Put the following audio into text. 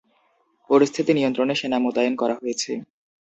পরিস্থিতি নিয়ন্ত্রণে সেনা মোতায়েন করা হয়েছে।